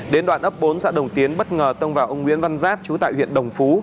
đến đoạn ấp bốn xã đồng tiến bất ngờ tông vào ông nguyễn văn giáp chú tại huyện đồng phú